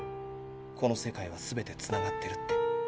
「この世界はすべてつながってる」って。